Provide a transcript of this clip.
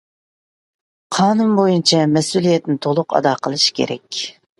قانۇن بويىچە مەسئۇلىيىتىنى تولۇق ئادا قىلىش كېرەك.